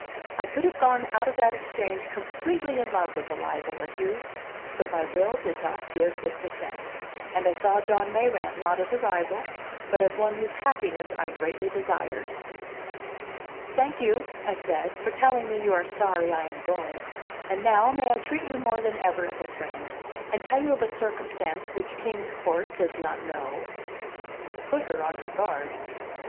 I could have gone out of that Exchange completely in love with Eliza La Heu; but my will did not give its assent, and I saw John Mayrant not as a rival, but as one whose happiness I greatly desired. "Thank you," I said, "for telling me you are sorry I am going. And now, may I treat you more than ever as a friend, and tell you of a circumstance which Kings Port does not know?" It put her on her guard.